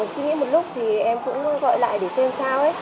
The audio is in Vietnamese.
suy nghĩ một lúc thì em cũng gọi lại để xem sao